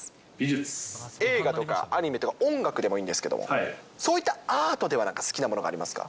映画とかアニメとか音楽でもいいんですけど、そういったアートでは何か好きなものはありますか？